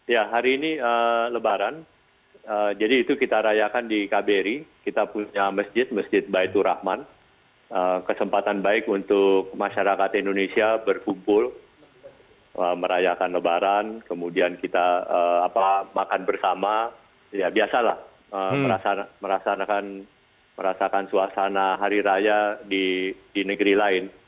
ya hari ini lebaran jadi itu kita rayakan di kbri kita punya masjid masjid baitur rahman kesempatan baik untuk masyarakat indonesia berkumpul merayakan lebaran kemudian kita makan bersama ya biasa lah merasakan suasana hari raya di negeri lain